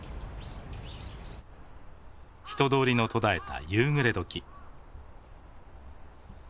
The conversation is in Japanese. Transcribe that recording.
人通りの途絶えた夕暮れ時。